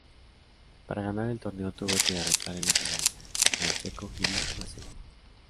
Para ganar el torneo tuvo que derrotar en la final al checo Jiří Veselý.